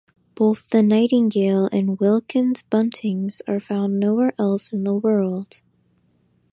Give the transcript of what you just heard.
Both the Nightingale and Wilkins's Buntings are found nowhere else in the world.